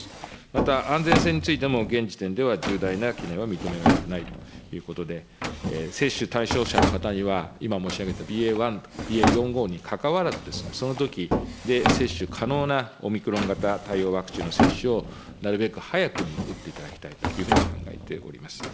また安全性についても、現時点では重大な懸念は認められていないということで、接種対象者の方には、今申し上げたＢＡ．１と４、５にかかわらずですね、そのときで接種可能なオミクロン型対応ワクチンの接種を、なるべく早くに打っていただきたいというふうに考えております。